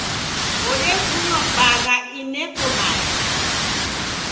Ondafunywa bagha ineko mae.